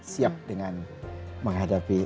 siap dengan menghadapi